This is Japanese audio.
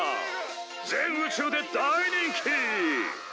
全宇宙で大人気！